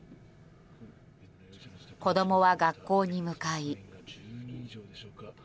子供は学校に向かい。